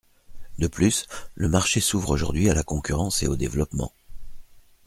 De plus, le marché s’ouvre aujourd’hui à la concurrence et au développement.